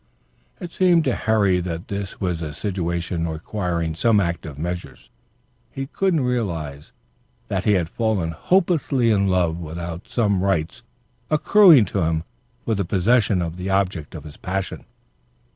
It seemed to Harry that it was a situation requiring some active measures. He couldn't realize that he had fallen hopelessly in love without some rights accruing to him for the possession of the object of his passion.